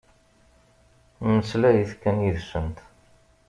Mmeslayet kan yid-sent.